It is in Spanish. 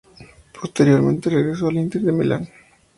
Posteriormente regresó al Inter de Milán.